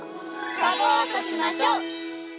サポートしましょ！